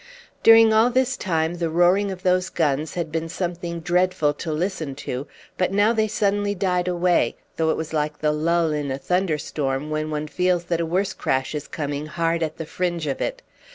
During all this time the roaring of those guns had been something dreadful to listen to, but now they suddenly died away, though it was like the lull in a thunderstorm when one feels that a worse crash is coming hard at the fringe of it.